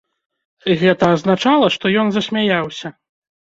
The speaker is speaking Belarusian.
Гэта азначала, што ён засмяяўся.